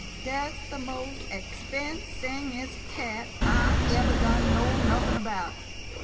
Dat 's de mos' expen singest cat I ebber done know nuffin about.